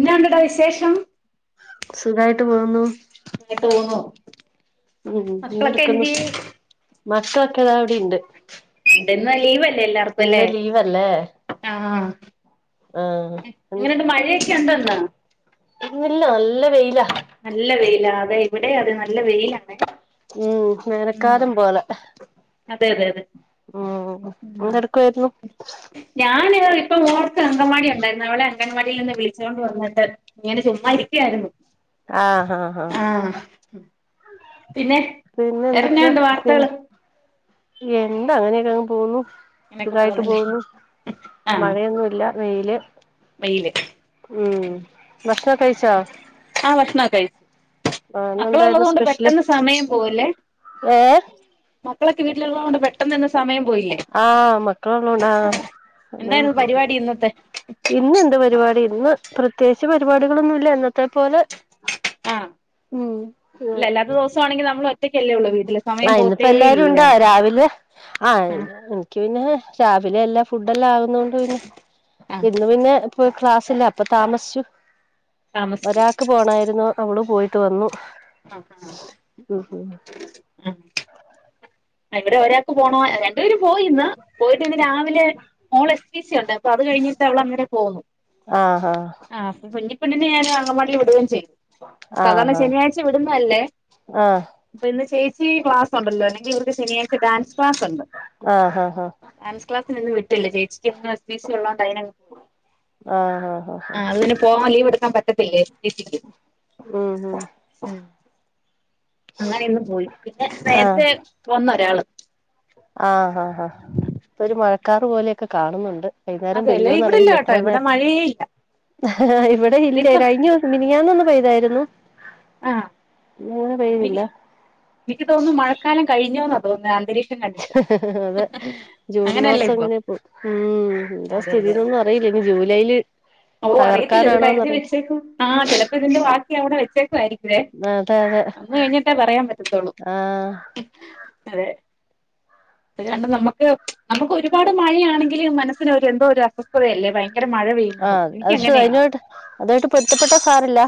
ന്തോണ്ടടാ വിശേഷം സുഖായിട്ട് പോകുന്നു സുഗായിട്ടോന്നു ഉം മക്കളൊക്കെ എന്തെടുക്കുന്നു എന്തെ മക്കളൊക്കെ താവിടിണ്ട് അതിന്ന് ലീവ് അല്ലെ എല്ലർക്കുംല്ലേ ലീവല്ലേ ആ ആഹ് [inaudible] എങ്ങനെയുണ്ട് മഴയൊക്കെ ഉണ്ടോയിന്ന് ഇന്നില്ല നല്ല വെയില നല്ല വെയിലാ അതെ എവിടെ അത് നല്ല വെയിലാണ് ഉം മയക്കാലം പോല അതെ അതെ അതെ ഉം ഉം എന്തെടുക്കുവായിരുന്നു [unintelligible] ഇപ്പം ഓ ക്ക് അങ്കംവാടി ഒണ്ടായിരുന്നു അവളെ അങ്ങനാവാടിയിൽ നിന്ന് വിളിച്ചോണ്ട് വന്നിട്ട് ഇങ്ങനെ ചുമ്മാരിക്കയായിരുന്നു ആഹ് ആഹ ആഹ് പിന്നെ പിന്നെ എന്തൊക്കെയാ ഇടനെയുണ്ട് വാർത്തകള് പിന്നെ എന്താ അങ്ങനെയൊക്കെ അങ്ങ് പോന്നുന്നു അങ്ങനെയൊക്കെ സുഗയിട്ട് പോന്നല്ലേ പോകുന്നു ആഹ് മഴയൊന്നുമല്ല വെയില് വെയില് ഉം ഭക്ഷണം കഴിച്ചാ കൈസ മക്കള ഉള്ളത് കൊണ്ട് സ്പെഷ്യല് പെട്ടെന്ന് സമയം പോവല്ലേ ഏഹ് ക്കളൊക്കെ വീട്ടിൽ ഉള്ളോണ്ട് പെട്ടെന്ന്ന്നെ ആഹ് മക്കളള്ളണ്ടാ സമയം എന്തായിരുന്നു പോ പരിപാടി ഇന്നത്തെ ഇന്ന് എന്ത് പരിപാടി ഇന്ന് പ്രത്യേകിച്ച് പരിപാടികളൊന്നുമല്ല എന്നന്നത്തെ പോലെ ആഹ ഉം അല്ല അല്ലാത്ത ദിവസ ആണെങ്കിൽ നമ്മൾ ഒറ്റക്കല്ലുള്ളൂ വീട്ട ആഹ ഇന്നിപ്പോ എല്ലാരും ഇണ്ടാ രാവിലെ ആഹ ആഹ് പിന്നെ രാവിലെ എല്ലാ ഫു [unintelligible] ആഹ് ഇന്ന് പിന്നെ ഫുൾ ക്ലാസ്സ് [unintelligible] ല്ല അപ്പൊ താമസിച്ചു താമസിച്ചു ഒരാൾക്ക് പോണായിരുന്നു അവള് പോയിട ഇത്ത വന്നു ആഹ ഉം ഉം ആഹ ആഹ ഇവിടെ ഒര പോ രണ്ട പേര് പോയിന്ന് പോയിട്ട് ഇ രാവിലെ എ സ ഉണ്ട് അ അത് കഴിഞ്ഞിട്ട് അവ അങ്ങ പോന്നു ആഹാ പിന്നെ ഞാൻ അങ്ങവാടി വിടുകയും ചെയ്യും സാധാരണ ആഹാ ശനിയാഴ്ച വിടുന്നതല്ലേ ആഹ് ഇപ്പൊ ഇന്ന് ചേച്ചി ക്ലാസ്സുണ്ടല്ലോലേ ജ ശനിയാഴ് ഡാൻസ് ക്ലാസ് ഒണ്ട് ആഹ് ആഹ് ഡാൻസ് ക്ലാസ ട്ട [unintelligible] ചേച്ചിക്ക്ഇന്ന് എസ് ബി സി ഒള്ള പൈനൻ ആഹ് ആഹ് ആഹ് ആ അതിന് പോവാൻ ലീവ് എടു പോകൻ പറ്റത്തില്ലേ ഉം ഉം ഉ അങ്ങനൊന്ന് പോയി പിന്നെ ആഹ് [unintelligible] അടയാളം ആഹ് ആഹ് ആഹ ഒരു മഴ ക്കാറ് പോലെയൊക്കെ കാണുന്നുണ്ട് വൈന്നാരം അതെല്ലേ ഇവിടില്ല പെയ്യോന്ന്റിയില്ല കേട്ടോ എത്ര ഇവിടെ നേരം മഴയേ ഇല്ല ഇവിടെ ഇല്ലേ ഇതിപ്പോ കഴിഞ്ഞൂസം മിനിയാന്നൊന്ന് പെയ് ഇതായിരുന്നു. ആഹ് എനിക്ക് എനിക്ക് തോന്നുന്നു മഴക്കാലം കഴിഞ്ഞൂന്ന് തോന്നുന്നേ അ അതെ ജൂൺ അങ്ങനെയല്ലേ മാസം ഇപ്പൊ അങ്ങനെ ഉം എന്താ സ്ഥിതിന്നൊന്നും അറിയില്ലനി ജൂ ലയില്. അവോ അറിയത്തില്ല ഇത് കരുതി വെച്ചേക്ക ആ ചെലപ്പോ ഇതിന്റെ വാ അവിടെ വെച്ചേക്ക ആരി എ അതെ അതെ അന്ന് കഴിഞ്ഞിട്ടേ പറയാൻ പറ്റത്തുള്ളൂ ആഹ് അതെ അതുകണ്ട് നമുക്ക് നമുക്ക് ഒരുപാട് മഴയാണെങ്കിലും മനസ്സിന് ഒരു എന്തോ ഒരു അസ്വസ്ഥതയല്ലേ ഭയ ഭയങ്കര മഴ പെയ്യുന്നതും. അശ് അയിനോട്ട് അതായിട്ട് പൊരുത്തപ്പെട്ട സാരല്ല.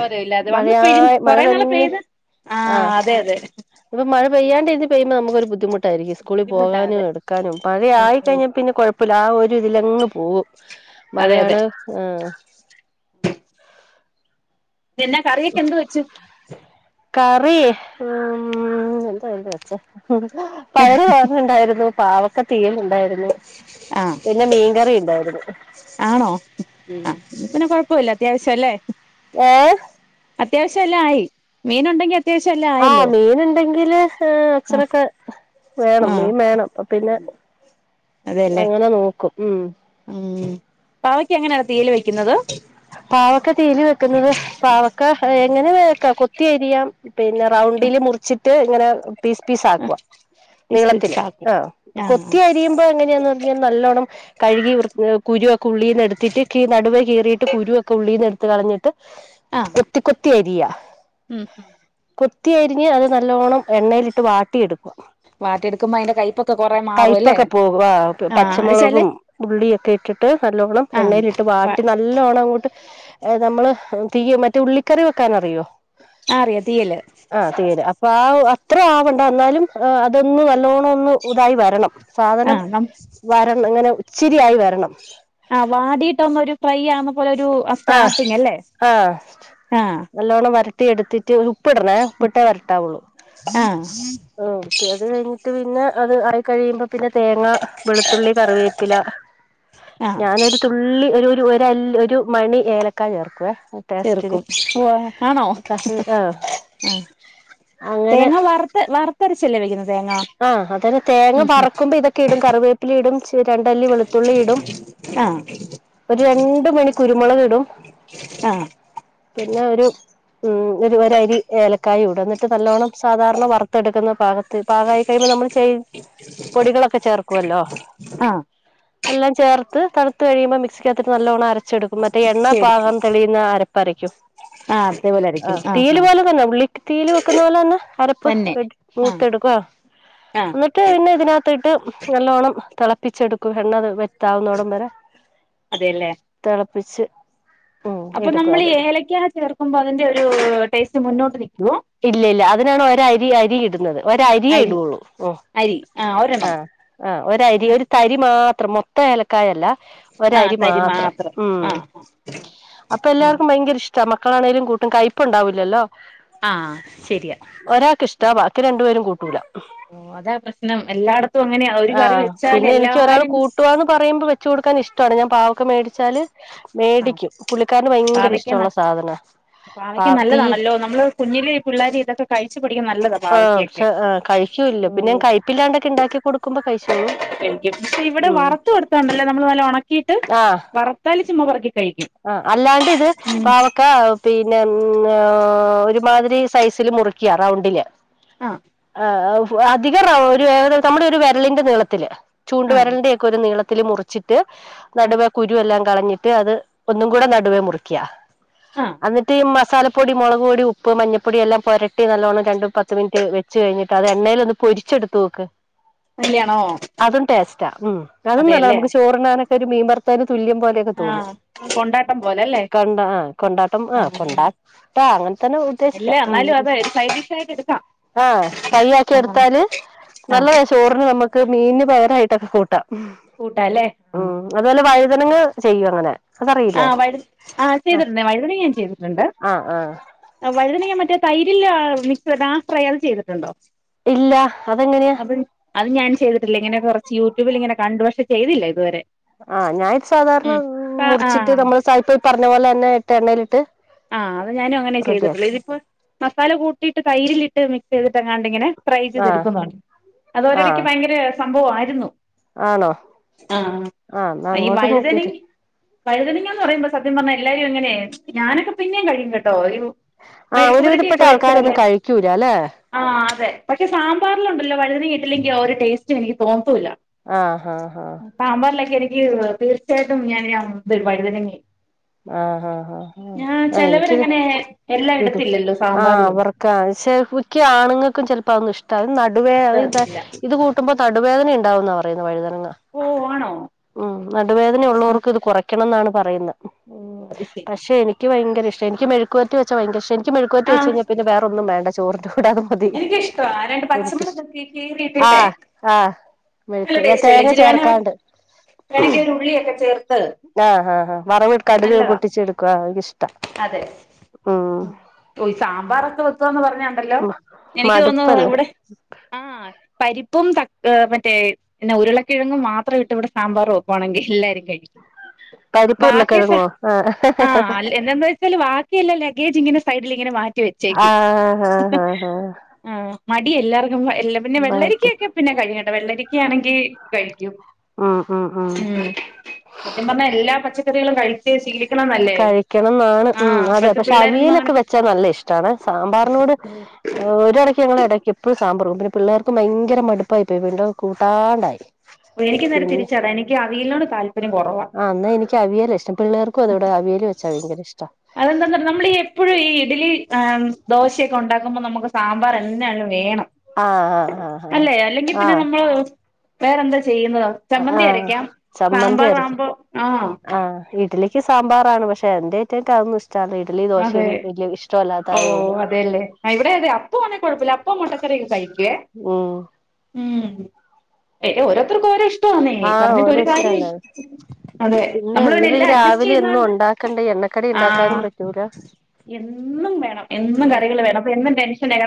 ഓരയില്ലാതെ വന്ന് പെഴ് മഴയായ മഴ കൊറേ നാള് തന്നെ പെയ്ത് ആഹ ആഹ് അതെ അതെ ഇപ്പൊ മഴ പെയ്യാണ്ട ഇ പെയ്യുമ്പോ നമുക്കൊരു ബുദ്ധിമു ട്ടായിരിക്കും. സ്കൂളി ബുദ്ധിമുട്ടാ അതെ പോകാനും എട് ക്കാനും ഉം പഴയായി ഉം കഴിഞ്ഞാ പിന്നെ കൊഴപ്പ പ്പലാ ഒരു ഇതിലങ്ങ് പോവും അതെ അതെ മഴയാണ് ആ എന്നാ കറിയൊക്കെ എന്ത് വെച്ചു? കറി ഉം എന്താ എന്താ വെച്ചേ ഉം പയറ് തോരന്ണ്ടായിരുന്നു. പാവക്ക തീയൽ ഇണ്ടായി രുന്നു ആഹ് പിന്നെ മീൻകറി ഇണ്ടായിരുന്നു. ആണോ? ആഹ്, പിന്നെ കൊഴപ്പല്ല അത്യാവശ്യാ അല്ലേ. ഏ അത്യാവശ്യമെല്ലാം ആയി. മീനു- ണ്ടെങ്കി ആഹ് മീന്, ണ്ടെങ്കില് ഏഹ് ആഹ് അച്‌ഛനൊക്കെ വേണം ആഹ് മീൻ വേണം. അപ്പൊ പിന്നെ അതെല്ലേ അങ്ങനെ നോക്കും. ഉം പാവയ്ക്ക എങ്ങനെയാണ് തീയല് വെയ്ക്കുന്നത്? പാവക്ക തീയല് വെക്കുന്നത് പാവയ്ക്ക എങ്ങനേം വെക്കാം. കൊത്തി അരിയാം, പിന്നെ റൗണ്ടില് മുറിച്ചി ട്ട് ങ്ങനെ പീസ് പീസ് ആക്കുവ. നീളത്തില് ഇസ്പിക്സാക്കും ആഹ്, ആഹ് കൊത്തി അരിയുമ്പോ എങ്ങനെയാന്ന് പറഞ്ഞാൽ നല്ലോണം കഴുകി വൃ കുരുവൊക്കെ ഉള്ളീന്ന് എടുത്തിട്ട് കീ നടുവെ കീറി കുരുവൊക്കെ ഉള്ളീന്ന് എടുത്ത് കളഞ്ഞിട്ട് ആഹ് കൊത്തി കൊത്തി അരിയാ. ഉം ഉം കൊത് കൊത്തിയരിഞ്ഞ് അത് നല്ലോണം എണ്ണയിലിട്ട് വാട്ടിയെടുക് വാട്ടിയെടുക്കുമ്പോ അതിന്റെ കയ്പ്പൊക്കെ കൊറേ മാറും അല്ലേ കൈപ്പൊക്കെ പോവും. ആഹ് ഓക്കെ അത് ചെല പച്ചമുളകും ഉള്ളിയൊക്കെ ഇട്ടിട്ട് നല്ലോണം ആഹ് എണ്ണയിലിട്ട് വാട്ടി ന അങ്ങോട്ട് നമ്മള് തീയ് മറ്റേ ഉള്ളിക്കറി വെക്കാൻ അറിയോ? ആഹ് അറിയാ തീയല്. വാവ് അത്ര ആവണ്ട എന്നാലും അതൊന്ന് നല്ലോണൊന്ന് ഇതായി വരണം. സാധനം, ആഹ് വരണ് ങ്ങനെ ഇച്ചിരിയായി വരണം. ആഹ് വാടീട്ടൊന്നൊരു ഫ്രൈയ്യാവു പോലൊരൂ ആ സ്റ്റാർട്ടിങല്ലേ. ആഹ് ട്ടി എടുത്തിട്ട്, ഉപ്പിടണേ ഉപ്പിട്ടേ വരട്ടാവുള്ളൂ. ആഹ് ആഹ് അത് കഴിഞ്ഞിട്ട് പിന്നേ, അത് ആയി കഴിയുമ്പോ പിന്നെ തേങ്ങ, വെളുത്തുള്ളി, കറിവേപ്പില ആഹ് ഞാനൊരു തുള്ളി ഒരു ഒരല്ലി ഒര് ഒരു മണി ഏലക്കായ ചേർക്കുവേ. ടേസ്റ്റിന് ചേർക്കും. ഉവ്വാ ആണോ? കറി ആഹ് ആഹ് അങ്ങനെ തേങ്ങ വറുത്ത് വറുത്തരച്ചല്ലേ വയ്ക്കുന്നത് ആഹ് അതന്നെ തേങ്ങ വറ്ക്കുമ്പോ ഇതൊക്കെ ഇടും കറിവേപ്പില ഇടും ചെ [unintelligible] രണ്ടല്ലി വെളുത്തുള്ളി ഇടും ആഹ് ഒരു രണ്ട് മണി കുരുമൊളക് ഇടും ആഹ് പിന്നെ ഒരു ഉം ഒരു ഒര് അരി ഏലക്കായ ഇടും എന്നിട്ട് നല്ലോണം സാധാരണ വറുത്തെടുക്കുന്ന പാകത്തിൽ പാകായി കഴിയുമ്പോ നമ്മള് ചെയ്യ് പൊടികളൊക്കെ ചേർക്കുവല്ലോ ആഹ് എല്ലാം ചേർത്ത് തണുത്ത് കഴിയുമ്പോ മിക്സിക്കാത്ത് ഇട്ട് നല്ലോണം അര ച്ചെടുക്കുമ്പത്തെ എണ്ണ ശരി പാകം തെളിയുന്ന അരപ്പരക്കും ആഹ് അതേപോലെ അരക്കും ആഹ് തീയില് പോലെ തന്ന ഉള്ളിയിട്ടിട്ട് തീയില് വെക്കുന്ന പോലെ തന്ന അരപ്പ് തന്നെ എടു ആഹ് മൂത്തെടു ആഹ് ന്നിട്ട് പിന്നെ ഇതിനകത്ത് ത്തിട്ട് നല്ലോണം തിളപ്പിച്ചെടുക്കും എണ്ണ വറ്റി - താവുന്നോടം വരെ അതെല്ലേ തെളപ്പി പിച്ച് അപ്പൊ നമ്മൾ ഏലയ്ക്കാ ചേർക്കുമ്പോ അതിന്റെ ഒരു ടേസ്റ്റ് മുന്നോട്ട് നിക്കുവോ? ഒരു അരിയേ ഇടുള്ളൂ ഉം ആ ഒരെണ്ണം ആഹ് ആഹ് ഒരു അരി ഒരു തരി മാ അത്ര മൊത്ത എലക്കായല്ലാ ഒരു ആഹ് അരി തരി മാത്രം ഉം ആഹ് അപ്പൊ ആഹ് എല്ലാവർക്കും ഭയങ്കര ഇഷ് ച മക്കളാണേലും കൂട്ടും കൈപ്പ് ഉണ്ടാവുല്ലല്ലോ ആഹ് ശരിയാ റ്റ വാക്കി രണ്ട് വരും കൂട്ടൂല്ല അതാ പ്രശ്നം എല്ലായിടത്തും അങ്ങനെയാ ഒരു കറി ആഹ് വെച്ചാല് പിന്നെ എനിക്ക് എല്ലാരും ഇഷ്ടാണ് ഞാൻ പാവക്ക മേടിച്ചാല് ആ മേടിക്കും പുള്ളിക്കാരന് ഭയങ്കര പാവക്ക ഇഷ്ടമുള്ള നല്ല സാധനാ പാ പാവയ്ക്ക തീ നല്ലതാണല്ലോ നമ്മള് കുഞ്ഞിലെ ഇ പിള്ളേർ ഇതൊക്കെ കഴിച്ചു പഠിക്ക്ണ നല്ലതാ ആഹ് പാവയ്ക്കക്കെ പക്ഷെ കഴിക്കൂല്ല പിന്നെ ഉം ഞാൻ കയ്പില്ലാണ്ടൊക്കെ ഉണ്ടാക്കി കൊടുക്കുമ്പോ കഴിച്ചോളും ഇവിടെ ഉം വറത്ത് കൊടുക്കണ്ടല്ലോ നമ്മൾ നല്ല ഉണക്കിയിട്ട് ആഹ് വറത്താൽ ച്ചുമ്മ പറക്കി ആഹ് അല്ലാണ്ട് ഇത് ഉം പാവക്ക പിന്നെ [unintelligible] ഒരുമാതിരി സൈസില് മുറിക്കിയ റൗണ്ടില് ആ ആഹ് ഔ അധികവ ഒരു ഏതരു നമ്മുടെ ഒരു വിരളിന്റെ നീളത്തില് ചൂണ്ട് ആ വെരളിന്റെ ഒകെ ഒരു നീളം ത്തില് മുറിച്ചിട്ട് ആ നടുവേ കുരു എല്ലാം കളഞ്ഞിട്ട് അത് ഒന്നും കൂടെ നടുവേ മുറിക്കിയ ആ അന്നിട്ട് ഇ മ മസാലപ്പൊടി മുളക്പൊടി ഉപ്പ് മഞ്ഞപ്പൊടി എല്ലാം പൊരട്ടി നല്ലോണ്ണം രണ്ടും പത്ത് മിനിറ്റ് വെച്ച് കഴിഞ്ഞിട്ട് അത് എണ്ണയിൽലൊന്ന് പൊരിച്ചെടുത്ത് നോക്ക് അല്ലാണോ അതും ടേസ്റ്റാ ഉം അതും നല്ല അതെയല്ലേ നമുക്ക് ചോറിണാനെ ഒരു മീൻ വർത്തതും തുല്യം പോലെയൊക്കെ ആ തോന്നും കൊണ്ടാട്ടം പോലല്ലേ കൊണ്ട ആ കൊണ്ടാട്ടം ആ കൊണ്ടാട്ട അങ്ങനെ തന്നെ അല്ല ഉദ്ദേശിക്കാം ഉം എന്നാലും അതെ ഒരു സൈഡ് ഡിഷ് ആയിട്ട് എടുക്കാം ആ ആ ഫ്രൈയാക്കിട്ത്താല് ആ നല്ലതാ ചോറിന് നമ ത് മീന് പകരായിട്ടൊക്കെ കൂട്ടാം കൂട്ടാല്ലേ ആ തനങ്ങാ ചെയ്യും അങ്ങനെ അതറിയില്ലേ ആഹ് വഴ്‌ ആഹ് അത് ആ ചെയ്തിട്ടുണ്ട് വഴുതനി ഞാൻ ചെയ്തിട്ടുണ്ട് ആ ആ വഴുതനി ഞാൻ മ മറ്റേ തൈരില്ല [unintelligible] ആ ഫ്രൈ അത് ചെയ്തിട്ടുണ്ടോ ഇല്ല അതെങ്ങനെയാ അത് അത് [unintelligible] ഇങ്ങനെ കൊറച്ച് യൂട്യൂബിലിങ്ങനെ കണ്ട് പക്ഷെ ചെയ്തില്ല ഇതുവരെ ആഹ് ഞാൻ ഇത് സാധാരണ ഉം മുറി ച്ചിട്ട് ആഹ് നമ്മള് സായിപ്പേ പറഞ്ഞ പോലെ തന്നെ ഇട്ട എണ്ണേലിട്ട് ആഹ് അത് ഞാനും അങ്ങനെയാ ചെയ്തിട്ടുള്ളേ ഇതിപ്പോ മസാല കൂട്ടിയിട്ട് തൈരിലിട്ട് മി ചെയ്തിട്ടങ്ങാണ്ട് ഇങ്ങനെ ട്രൈ ചെയ്ത് ആഹ് എടുക്കുന്നൊണ്ട് അത് ഒരടിക്ക് ആഹ് ഭയങ്കര സംഭവം ആയിരുന്നു ആണോ ആഹ് എന്നാ ഈ അങ്ങോട്ട് നോക്കീട്ട് വഴുതനങ്ങ എന്ന് പറയുമ്പോ സത്യം പറഞ്ഞാ എല്ലാവരും എങ്ങനെ ഞാനൊക്ക പിന്നേം കഴിക്കും കേട്ടോ ഓരു ആഹ് മെഴുക്ക് ഒരുവിധപ്പെട്ട പുരട്ടിയൊക്കെ ആൾക്കാരൊന്നും വെച്ചാല് കഴിക്കൂല അല്ലെ ആഹ് അതെ പക്ഷെ സാമ്പറിലൊണ്ടല്ലോ വഴുത വീട്ടിലും [unintelligible] ഒരു ടേസ്റ്റ് എനിക്ക് തോന്നത്തൂല്ല ആഹ് ആഹ് ആഹ് പാമ്പാറിലൊക്കെ എനിക്ക് തീർച്ചയായിട്ടും ഞാൻ ഇനി അ ഇതെടു വഴുതനി ഇനി ആഹ് ഹ ഹ മ്ഹ് ആഹ് എനിക്കിത് ചിലവരങ്ങനെ എല്ലാം ഇടു ഇടത്തില്ലല്ലോ ആഹ് സാമ്പാറിലൊന്നും അവർക്ക് [unintelligible] ആണുങ്ങക്കും ചെലപ്പോം അതൊന്നും ഇഷ്ടവ് ഈ ന അത് വേറെ എന്താ ഇഷ്ടല്ല ഇത് കൂട്ടു [unintelligible] നടുവേദന ഇണ്ടാവൂന്നാ പറയുന്നേ വഴുത ആഹ് ഓ ആണോ ഉം നടുവേദന ഉള്ളോർക്ക് ഇത് കൊറക്ക ക്കണംന്നാണ് പറയുന്ന ഓ അത് ശരി പക്ഷെ എനിക്ക് ഭയങ്കര ഇഷ് ക്ഷേ എനിക്ക് മെഴുക്കു പെരട്ടി വെച്ച ഭയങ്കര ക്ഷേ എനി [unintelligible] മെഴുക്കു പെരട്ടി വച്ച് കഴിഞ്ഞാ പിന്നെ വേറൊന്നും വേ ചോറ്ത്തു എനിക്കിഷ്ട്ടമാ രണ്ട് പച്ചമുളക് ക്കി കീറിട്ടിട്ടെ ആഹ് ആഹ് നല്ല മെഴുക്ക് ഞാൻ ടേസ്റ്റ്ല്ലേ തേങ്ങ ഇച്ചിരി വേണെ ചേർക്കാണ്ട് വേണെങ്കി ഒരുള്ളിയൊക്കെ ചേർത്ത് ആഹ് ആഹ് ആഹ് വറവ് കട്ക് നല്ലതാ പൊട്ടിച്ചെടുക്ക്വു എനിക്കിഷ്ടാ അതെ ഉം ഞണ്ടല്ലോ എനിക്ക് തോന്നുന്നു മടുപ്പല്ലേ ഇവിടെ ആഹ് പരിപ്പും ത മറ്റേ പിന്നെ ഉരുളക്കിഴങ്ങും മാത്രം ഇട്ട് ഇവിടെ സാമ്പാറും വെക്കുവാണെങ്കി എല്ലാരും കഴിക്കും പരിപ്പും ബാക്കി സ ഉരുളക്കിഴങ്ങോ ആഹ് ആ എന്താന്ന് വെച്ചാല് ബാക്കിയല്ല ലഗേജ് ഇങ്ങനെ സൈഡിലിങ്ങനെ വ ആഹ് ആ ആഹ് ആഹ് ആഹ് ആ മടി എല്ലാർ നുമ്മ എല്ല പിന്നെ ആഹ് വെള്ളരിക്കഒക്കെ പിന്നെ കഴിഞ്ഞ വെള്ളരിക്ക ആണെങ്കി കഴിക്കും ഉം ഉം ഉം മ് സത്യം പറഞ്ഞ‌ എല്ല പച്ച ച്ചക്കറികളും കഴി കഴിക്കണംന്നാണ് മ് ആഹ് അതെ ഇപ്പഴത്തെ പക്ഷെ പിള്ളേരൊന്നും അങ്ങനെ അവിയലൊക്കെ വെച്ചാ നല്ല ഇഷ്ടാണ് സാമ്പാറിനോട് ഒരെട ഞങ്ങളടയ്ക്ക് എപ്പഴും സാമ്പറും പിന്നെ പിള്ളേർക്ക് ഭയങ്കര മടുപ്പായി പോയി വിണ്ടും കൂട്ടാണ്ടായി ഒ എനിക്ക് നേരെ പിന്നെ തിരിച്ചത എനിക്ക് അ വീൽനോട് താൽ ആ എന്നാ എനിക്ക് അവിയല ഇഷ്ടം പിള്ളേർക്കും അതവിടെ അവിയല് വെച്ചാ ഭയങ്കര ഇഷ്ടാ. ആ ദോശയൊക്കെ ഉണ്ടാക്കുമ്പം നമുക്ക് സാമ്പാർ എന്നയലും വേണം. ആഹ് ആഹ് അല്ലേ അല്ലെങ്കി ആഹ് പിന്നെ ആഹ് നമ്മള് വേറെ എന്ത ചെയ്യുന്നത ആഹ് ചമ്മന്തി ആഹ് അരക്കാം. ചമ്മന്തി സാമ്പാറാമ്പോ ആഹ്. ക്ക് സാമ്പാറാണ്. പക്ഷെ എന്റെ അയിറ്റകക്ക് അതൊന്നും ഇഷ് അതെ ഓ ആയോണ്ട് അതേല്ലേ ആഹ് ഇവിടെ അതെ അപ്പൊ ആന്നെ കുഴ്പ്പല്ല അപ്പോം മൊട്ടക്കറ്യൊക്കെ കഴിക്ക്വേ ഉം ഉം ഏ ഓരോ ക്കോരൊ ഇഷ്ടവാന്നെ ആഹ് പറഞ്ഞിട്ട് ഓരോ ഒരു കാര്യം ഇഷ്ടല്ല ഇ അതെ ഇന്ന് നമ്മള് പിന്നെ എന്ത് ഈ എല്ലാം രാവിലെ എന്നും അഡ്ജസ്റ്റെയ്യുന്നോണ്ട് ഉണ്ടാക്കണ്ടേ എണ്ണക്കടി ഉണ്ടാക്കാനും ആഹ് പറ്റൂല എന്നും വേണം എന്നും കറികള് വേണം ഉം അപ്പ എന്നും ടെൻഷനായി കാര്ണ